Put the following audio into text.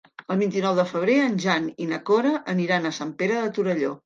El vint-i-nou de febrer en Jan i na Cora aniran a Sant Pere de Torelló.